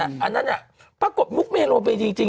อันนั้นปรากฏมุกเมโลเบดีจริง